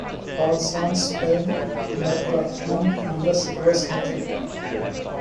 All songs by McLachlan, unless otherwise noted.